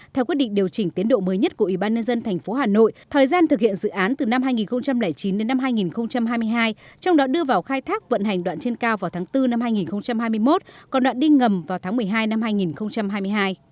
theo quyết định điều chỉnh tiến độ mới nhất của ủy ban nhân dân tp hà nội thời gian thực hiện dự án từ năm hai nghìn chín đến năm hai nghìn hai mươi hai trong đó đưa vào khai thác vận hành đoạn trên cao vào tháng bốn năm hai nghìn hai mươi một còn đoạn đi ngầm vào tháng một mươi hai năm hai nghìn hai mươi hai